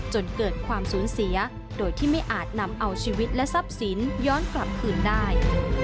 จนเกิดความสูญเสียโดยที่ไม่อาจนำเอาชีวิตและทรัพย์สินย้อนกลับคืนได้